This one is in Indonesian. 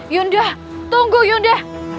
yunde tunggu yunde